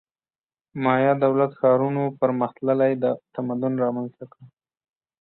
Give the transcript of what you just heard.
مایا دولت ښارونو پرمختللی تمدن رامنځته کړ